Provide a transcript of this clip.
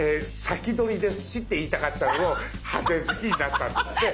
先取りですしって言いたかったのを派手好きになったんですね。